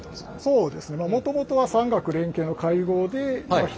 そうですね。